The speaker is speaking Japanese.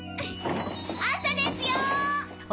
朝ですよ！